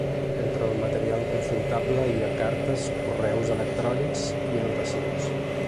Entre el material consultable hi ha cartes, correus electrònics i anotacions.